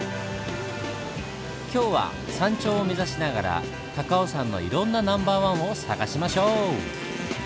今日は山頂を目指しながら高尾山のいろんなナンバーワンを探しましょう！